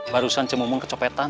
barusan cemumun kecopetan